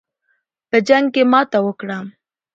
په جنګ کې ماته وکړه.